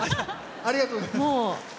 ありがとうございます。